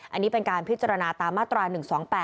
อันนี้เป็นการพิจารณาตามมาตรา๑๒๘